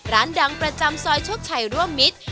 ร้านดังประจำซอยโชคชัยร่วมมิตร